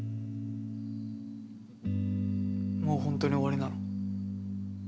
もう本当に終わりなの？